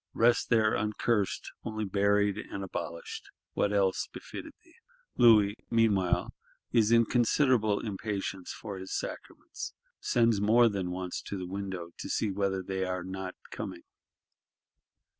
Rest there uncursed; only buried and abolished: what else befitted thee? Louis, meanwhile, is in considerable impatience for his sacraments; sends more than once to the window, to see whether they are not coming.